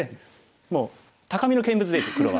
もう高みの見物でいいです黒は。